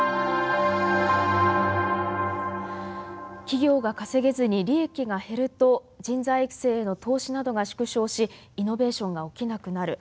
企業が稼げずに利益が減ると人材育成への投資などが縮小しイノベーションが起きなくなる。